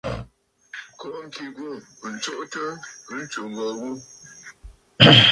Kó ŋkì ghû ǹtsuʼutə ntsù gho gho.